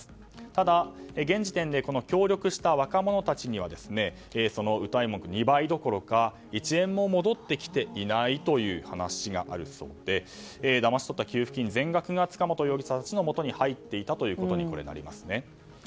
ただ、現時点で協力した若者たちにはそのうたい文句２倍どころか、１円も戻ってきていないという話があるそうでだまし取った給付金全額が塚本容疑者たちの手元に入っていたということになります。